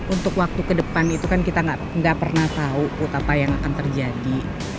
untuk waktu kedepan itu kan kita gak pernah tahu put apa yang akan terjadi